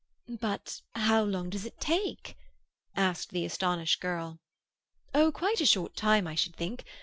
"But how long does it take?" asked the astonished girl. "Oh, quite a short time, I should think.